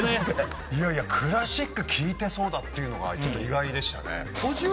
いやいやクラシック聴いてそうだっていうのがちょっと意外でしたね。